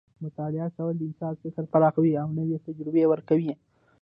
مطالعه کول د انسان فکر پراخوي او نوې تجربې ورکوي.